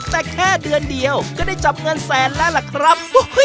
แต่แค่เดือนเดียวก็ได้จับเงินแสนแล้วล่ะครับ